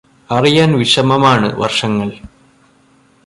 അറിയാൻ വിഷമമാണ് വർഷങ്ങൾ